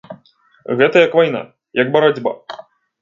Гэта як вайна, як барацьба.